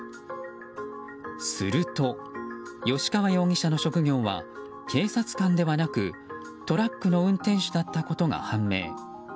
すると、吉川容疑者の職業は警察官ではなくトラックの運転手だったことが判明。